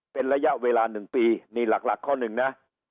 เป็นระยะเวลา๑ปีนี่หลักข้อหนึ่งนะ